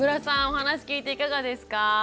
お話聞いていかがですか？